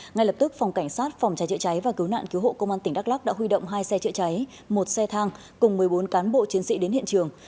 ngay lập tức phòng cảnh sát phòng trái trị trái và cứu nạn cứu hộ công an tỉnh đắk lắc đã huy động hai xe trị trái một xe thang cùng một mươi bốn cán bộ chiến sĩ đến hiện trường